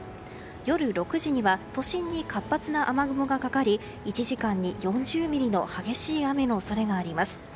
夜６時には都心に活発な雨雲がかかり１時間に４０ミリの激しい雨の恐れがあります。